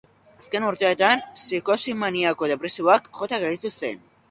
Azken urteetan psikosi maniako-depresiboak jota gelditu zen.